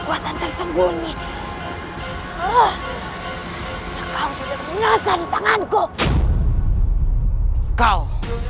kau adalah sumber yang menyebabkan kekuatan tersembunyi